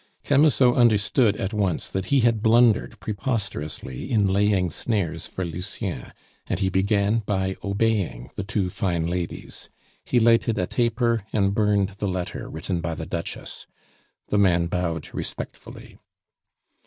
Camusot understood at once that he had blundered preposterously in laying snares for Lucien, and he began by obeying the two fine ladies he lighted a taper, and burned the letter written by the Duchess. The man bowed respectfully.